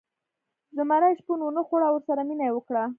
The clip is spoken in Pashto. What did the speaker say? زمري شپون ونه خوړ او ورسره مینه یې وکړه.